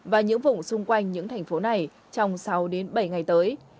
và những vùng xung quanh những thành phố này trong sáu đến bảy ngày tới